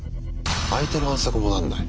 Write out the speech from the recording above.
相手の反則もなんない。